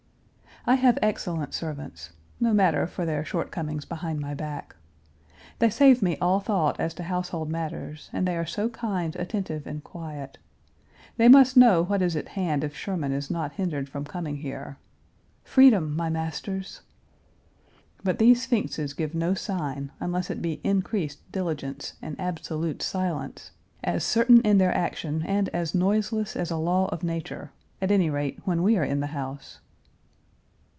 I have excellent servants; no matter for their short comings behind my back. They save me all thought as to household matters, and they are so kind, attentive, and quiet. They must know what is at hand if Sherman is not hindered from coming here "Freedom! my masters!" But these sphinxes give no sign, unless it be increased diligence and absolute silence, as certain in their action and as noiseless as a law of nature, at any rate when we are in the house.